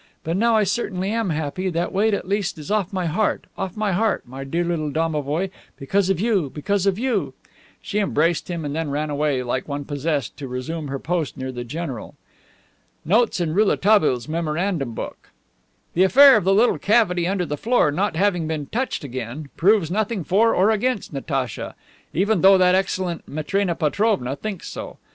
But now I certainly am happy, that weight at least is off my heart, off my heart, dear little domovoi, because of you, because of you." She embraced him, and then ran away, like one possessed, to resume her post near the general. Notes in Rouletabille's memorandum book: The affair of the little cavity under the floor not having been touched again proves nothing for or against Natacha (even though that excellent Matrena Petrovna thinks so).